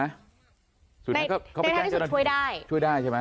ในท้ายที่สุดช่วยได้ช่วยได้ใช่ไหม